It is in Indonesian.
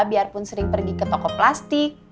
biarpun sering pergi ke toko plastik